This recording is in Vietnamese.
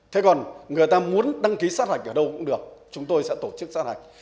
thế còn người ta muốn đăng ký sát hạch ở đâu cũng được chúng tôi sẽ tổ chức sát hạch